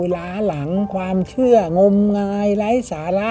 ล้าหลังความเชื่องมงายไร้สาระ